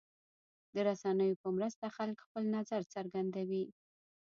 د رسنیو په مرسته خلک خپل نظر څرګندوي.